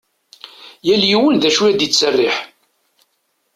Yal yiwen d acu i ad ittserriḥ.